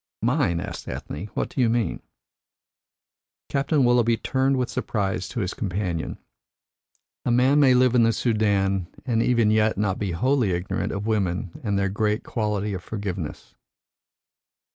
"Mine?" asked Ethne. "What do you mean?" Captain Willoughby turned with surprise to his companion. "A man may live in the Soudan and even yet not be wholly ignorant of women and their great quality of forgiveness.